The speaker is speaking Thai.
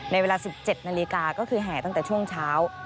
เวลา๑๗นาฬิกาก็คือแห่ตั้งแต่ช่วงเช้า